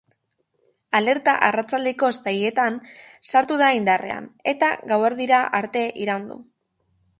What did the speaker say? Alerta arratsaldeko seietan sartu da indarrean, eta gauerdira arte iraun du.